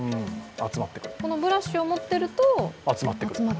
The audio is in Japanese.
このブラシを持ってると集まってくる？